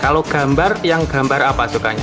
kalau gambar yang gambar apa sukanya